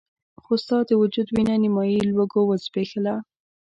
خو ستا د وجود وينه نيمایي لوږو وزبېښله.